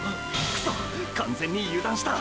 くそ完全に油断した！！